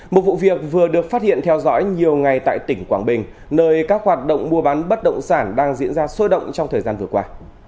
một vụ việc vừa được phát hiện theo dõi nhiều ngày tại tỉnh quảng bình nơi các hoạt động mua bán bất động sản đang diễn ra sôi động trong thời gian vừa qua